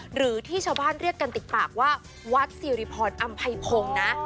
หรือที่ชาวบ้านเรียกกันติดปากว่าวัดสิริพรอำไพพงศ์นะ